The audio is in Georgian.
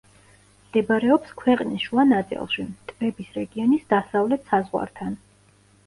მდებარეობს ქვეყნის შუა ნაწილში, ტბების რეგიონის დასავლეთ საზღვართან.